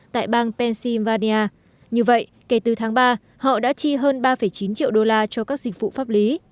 tại bang pennsylvania như vậy kể từ tháng ba họ đã chi hơn ba chín triệu đô la cho các dịch vụ pháp lý